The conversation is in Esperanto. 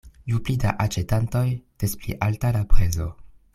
Ju pli da aĉetantoj, des pli alta la prezo.